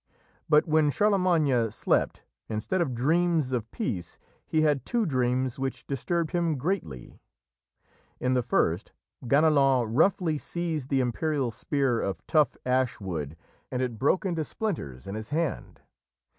But when Charlemagne slept, instead of dreams of peace he had two dreams which disturbed him greatly. In the first, Ganelon roughly seized the imperial spear of tough ash wood and it broke into splinters in his hand.